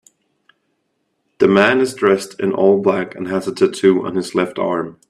The man is dressed in all black and has a tattoo on his left arm